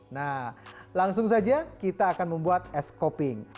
nah langsung saja kita akan membuat es koping